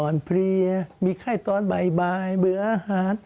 เพลียมีไข้ตอนบ่ายเบื่ออาหาร